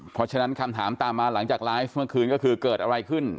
เพราะฉะนั้นคำถามตามมาหลังจากไลฟ์เมื่อคืนก็คือเกิดอะไรขึ้น